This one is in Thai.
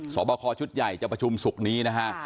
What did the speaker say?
สอบคอชุดใหญ่จะประชุมศุกร์นี้นะฮะ